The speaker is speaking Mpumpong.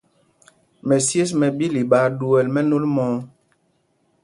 Mɛsyes mɛ ɓīlīk ɓaa ɗuɛl mɛnôl mɔ̄ɔ̄.